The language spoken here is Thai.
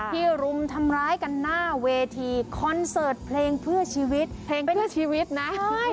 รุมทำร้ายกันหน้าเวทีคอนเสิร์ตเพลงเพื่อชีวิตเพลงเพื่อชีวิตนะ